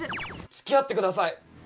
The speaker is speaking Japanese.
つきあってください